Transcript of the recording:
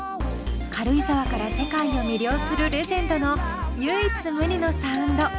軽井沢から世界を魅了するレジェンドの唯一無二のサウンド